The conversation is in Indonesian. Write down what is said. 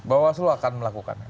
bawaslu akan melakukan